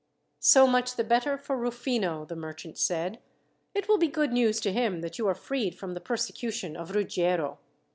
"So much the better for Rufino," the merchant said. "It will be good news to him that you are freed from the persecution of Ruggiero.